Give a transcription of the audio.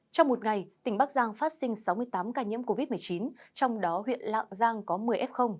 trong một ngày tỉnh bắc giang phát sinh sáu mươi tám ca nhiễm covid một mươi chín trong đó huyện lạng giang có một mươi f